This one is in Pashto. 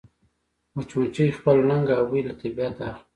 مچمچۍ خپل رنګ او بوی له طبیعته اخلي